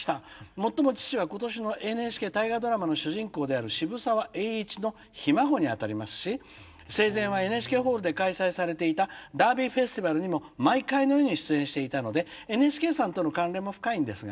もっとも父は今年のＮＨＫ『大河ドラマ』の主人公である渋沢栄一のひ孫にあたりますし生前はＮＨＫホールで開催されていたダービーフェスティバルにも毎回のように出演していたのでＮＨＫさんとの関連も深いんですが。